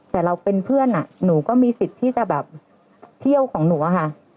แต่เราเป็นเพื่อนหนูก็มีสิทธิ์ที่จะแบบเที่ยวของหนูอะค่ะ